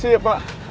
saya mau pergi